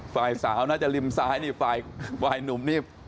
ฝ่ายสาวน่าจะริมซ้ายนี่ฝ่ายหนุ่มนี่